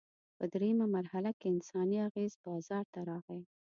په درېیمه مرحله کې انساني اغېز بازار ته راغی.